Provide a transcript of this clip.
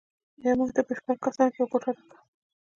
بیا یې موږ ته په شپږو کسانو یوه کوټه راکړه.